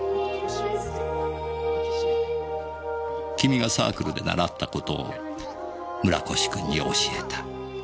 君がサークルで習った事を村越君に教えた。